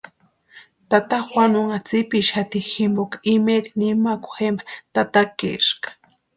Tata Juanunha tsipixati jimpoka imaeri nimakwa jempa tatakaeska.